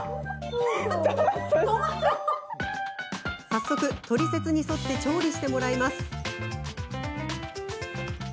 早速、トリセツに沿って調理してもらいます。